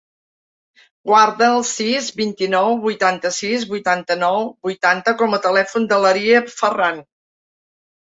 Guarda el sis, vint-i-nou, vuitanta-sis, vuitanta-nou, vuitanta com a telèfon de l'Aria Farran.